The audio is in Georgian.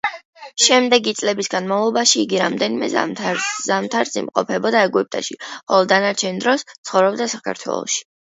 შემდეგი წლების განმავლობაში იგი რამდენიმე ზამთარს იმყოფებოდა ეგვიპტეში, ხოლო დანარჩენ დროს ცხოვრობდა საქართველოში.